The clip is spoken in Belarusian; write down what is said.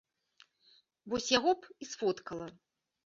Вось яго б і сфоткала.